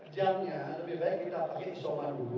jamnya lebih baik kita pakai isoman dulu